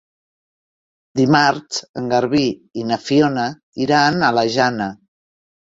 Dimarts en Garbí i na Fiona iran a la Jana.